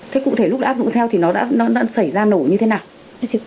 thế cụ thể lúc đã áp dụng theo thì nó đã xảy ra nổ như thế nào